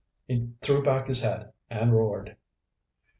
He threw back his head and roared.